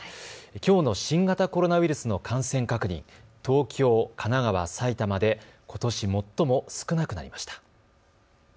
きょうの新型コロナウイルスの感染確認、東京、神奈川、埼玉でことし最も少なくなりました。